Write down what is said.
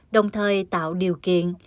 đồng thời tạo điều kiện